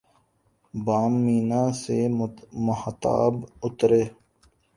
بام مینا سے ماہتاب اترے